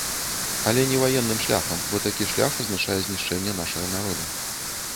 Але не ваенным шляхам, бо такі шлях азначае знішчэнне нашага народа.